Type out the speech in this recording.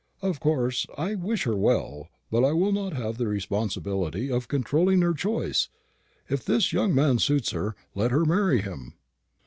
"Of course I wish her well; but I will not have the responsibility of controlling her choice. If this young man suits her, let her marry him."